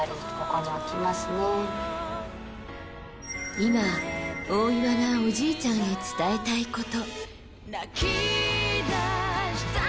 今、大岩がおじいちゃんへ伝えたいこと。